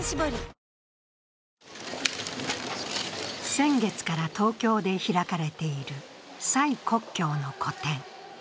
先月から東京で開かれている蔡國強の個展。